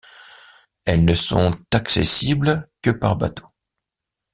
Elles ne sont accessibles que par bateau.